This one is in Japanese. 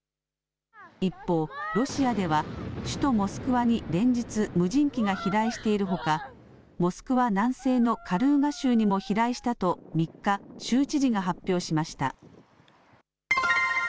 一方、ロシアでは首都モスクワに連日、無人機が飛来しているほかモスクワ南西のカルーガ州にも飛来したと３日、州知事が発表しました。